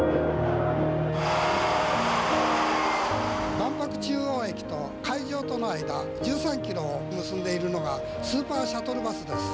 万博中央駅と会場との間 １３ｋｍ を結んでいるのがスーパーシャトルバスです。